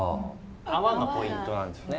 泡がポイントなんですよね。